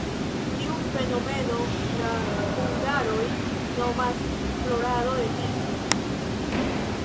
Tiun fenomenon la hungaroj nomas "florado de Tiso".